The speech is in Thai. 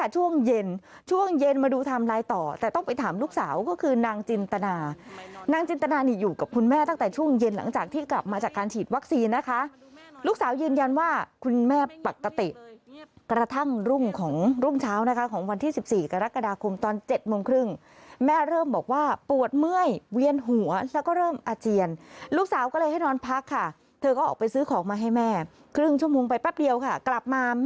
ช่วงเย็นช่วงเย็นมาดูทำลายต่อแต่ต้องไปถามลูกสาวก็คือนางจินตนานางจินตนานี่อยู่กับคุณแม่ตั้งแต่ช่วงเย็นหลังจากที่กลับมาจากการฉีดวัคซีนนะคะลูกสาวยืนยันว่าคุณแม่ปกติกระทั่งรุ่งของรุ่งเช้านะคะของวันที่สิบสี่กรกฎาคมตอนเจ็ดโมงครึ่งแม่เริ่มบอกว่าปวดเมื่อยเวียนหัวแล้วก็เริ่ม